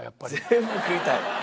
全部食いたい？